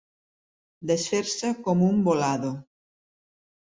Desfer-se com un bolado.